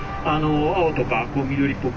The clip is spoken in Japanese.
青とか緑っぽく。